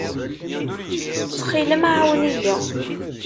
Ttxil-m, ɛawen-iyi.